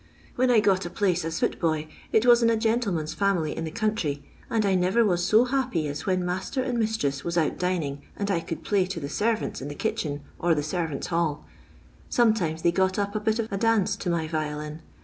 When I got a place as footboy it vai in a gentleman's family in the country, and I never was so happy as when roaster and mistruf was out dining, and I could phiy to the lervanta in the kitchen or the servants' hall. Sometimee they got up a bit of a dance to my violin.